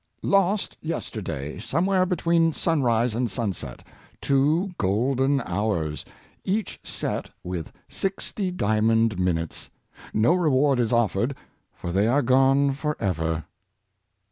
Lost, yesterday, somewhere between sunrise and sunset, two golden hours, each set with sixty diamond minutes. No reward is offered, for they are gone forever."